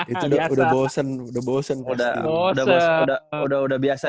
itu udah bosen udah bosen pasti